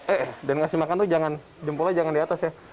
eh dan ngasih makan tuh jangan jempolnya jangan di atas ya